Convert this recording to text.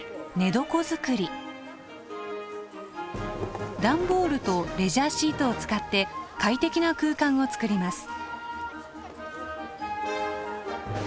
最初の段ボールとレジャーシートを使って快適な空間を作ります。